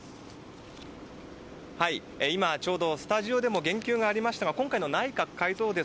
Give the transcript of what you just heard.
今ちょうどスタジオでも言及がありましたが今回の内閣改造